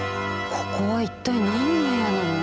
ここは一体何の部屋なの？